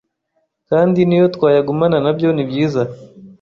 kandi n’iyo twayagumana nabyo nibyiza